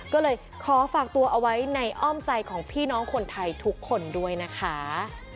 ก็เลยขอฝากตัวเอาไว้ในอ้อมใจของพี่น้องคนไทยทุกคนด้วยนะคะ